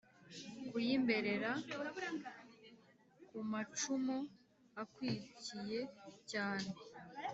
Ku y’ imberera: Ku macumu akwikiye cyane .